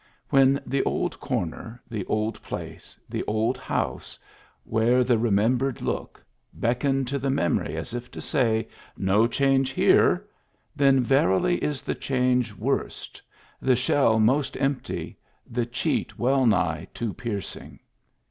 When the old comer, the old place, the old house, wear the remembered look, beckon to the memory as if to say, No change here I then verily is the change worst, the shell most empty, the cheat well nigh too pierc ing.